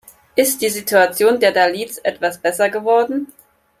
Ist die Situation der Dalits etwa besser geworden?